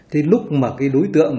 thế lúc mà cái đối tượng